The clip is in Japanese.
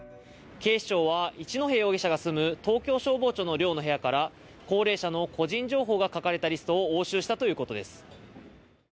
警視庁は一戸容疑者が住む東京消防庁の寮の部屋から高齢者の個人情報が書かれたリストを押収したということです。